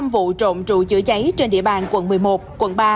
năm vụ trộm trụ chữa cháy trên địa bàn quận một mươi một quận ba